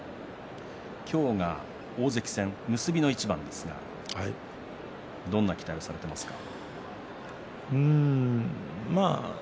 今日は大関戦結びの一番ですがどんな期待をされていますか？